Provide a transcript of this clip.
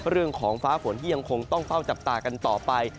เรื่องของฟ้าฝนที่ยังคงต้องเฝ้าจับตากันต่อไป